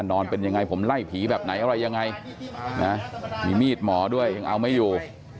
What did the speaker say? นอนเป็นยังไงผมไล่ผีแบบไหนอะไรยังไงนะมีมีดหมอด้วยยังเอาไม่อยู่